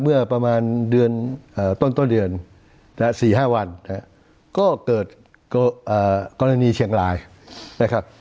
เมื่อประมาณเดือนต้นเดือน๔๕วันก็เกิดกรณีเชียงรายนะครับ